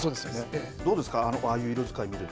どうですかああいう色使い、見て。